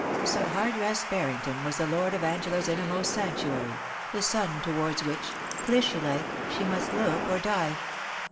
So Hardress Barrington was the lord of Angela's inner most sanctuary, the sun towards which, Clytie like, she must look or die.